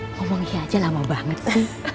ngomong iya aja lama banget sih